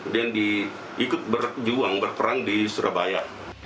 ikut berjuang berperang di surabaya